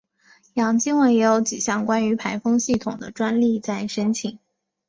杨经文也有几项关于排风系统的专利在申请中。